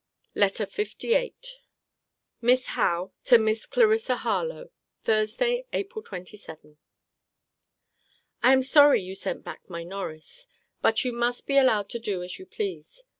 LETTER LVIII MISS HOWE, TO MISS CLARISSA HARLOWE THURSDAY, APRIL 27. I am sorry you sent back my Norris. But you must be allowed to do as you please.